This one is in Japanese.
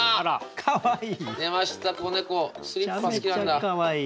かわいい。